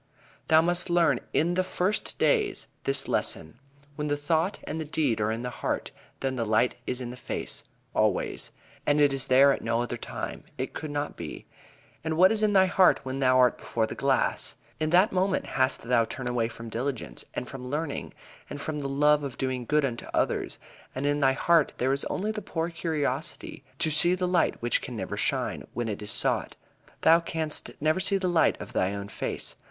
"Thou must learn in the first days this lesson: When the thought and the deed are in the heart, then the light is in the face, always, and it is there at no other time. It could not be. And what is in thy heart when thou art before the glass? In that moment hast thou turned away from diligence, and from learning, and from the love of doing good unto others and in thy heart there is left only the poor curiosity to see the light which can never shine when it is sought. Thou canst never see the light of thy own face.